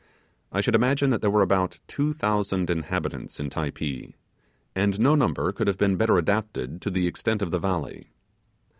I should imagine that there were about two thousand inhabitants in Typee; and no number could have been better adapted to the extent of the valley.